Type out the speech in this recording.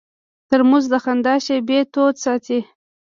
ترموز د خندا شېبې تود ساتي.